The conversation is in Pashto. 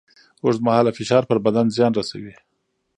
اوږدمهاله فشار پر بدن زیان رسوي.